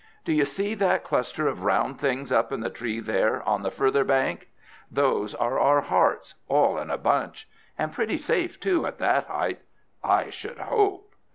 "Do you see that cluster of round things up in the tree there, on the further bank? Those are our hearts, all in a bunch; and pretty safe too, at that height, I should hope!"